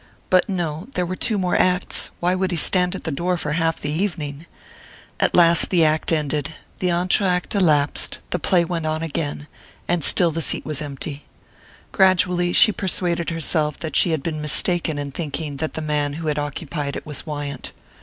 But no there were two more acts: why should he stand at the door for half the evening? At last the act ended; the entr'acte elapsed; the play went on again and still the seat was empty. Gradually she persuaded herself that she had been mistaken in thinking that the man who had occupied it was Wyant.